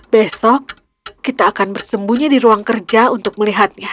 besok kita akan bersembunyi di ruang kerja untuk melihatnya